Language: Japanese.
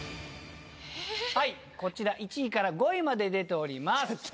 こちら１位から５位まで出ております。